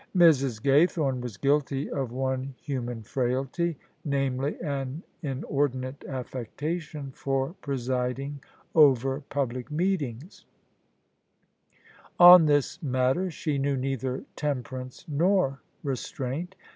Mrs. Gaythorne was guilty of one THE SUBJECTION human fraQty, namely an inordinate affectation for presid ing over public meetings. On this matter she knew neither temperance nor restraint.